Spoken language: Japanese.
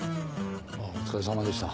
あっお疲れさまでした。